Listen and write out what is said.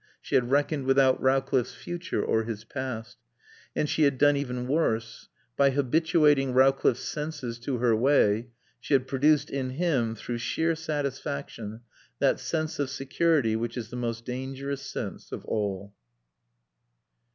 She had reckoned without Rowcliffe's future or his past. And she had done even worse. By habituating Rowcliffe's senses to her way, she had produced in him, through sheer satisfaction, that sense of security which is the most dangerous sense of all.